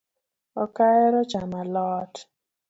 Ok ahero chamo alot